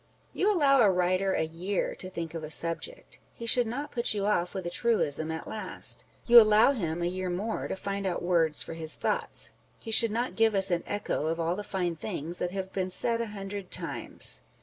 You allow a writer a year to think of a subject ; he should not put you off with a truism at last. You allow him a 390 On the Difference between year more to find out words for his thoughts ; he should not give us an echo of all the fine things that have been said a hundred times.